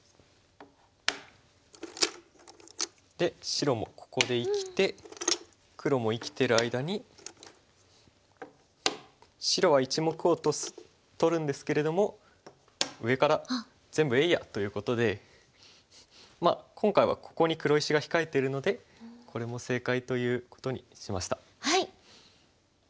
で白もここで生きて黒も生きてる間に白は１目を取るんですけれども上から全部えいや！ということでまあ今回はここに黒石が控えてるのでこれも正解ということにしました。